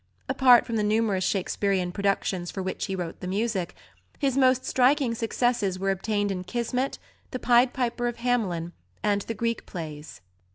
Apart from the numerous Shakespearian productions for which he wrote the music, his most striking successes were obtained in Kismet, The Pied Piper of Hamelin, and the Greek plays.